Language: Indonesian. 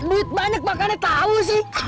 duit banyak makannya tahu sih